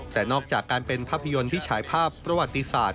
แต่นอกจากการเป็นภาพยนตร์ที่ฉายภาพประวัติศาสตร์